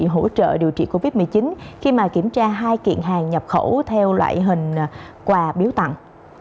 hỗ trợ điều trị covid một mươi chín khi kiểm tra hai kiện hàng nhập khẩu theo loại hình quà biếu tặng